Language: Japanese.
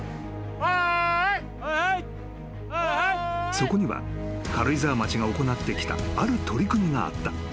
［そこには軽井沢町が行ってきたある取り組みがあった］